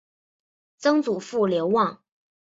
曾祖父刘旺。